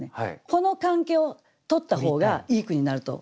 この関係を取った方がいい句になると。